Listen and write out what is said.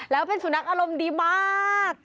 แล้วเป็นสุนัขอารมณ์ดีมาก